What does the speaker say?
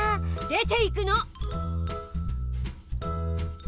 出ていくの！